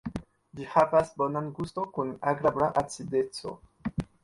Ĝi havas bonan gusto kun agrabla acideco.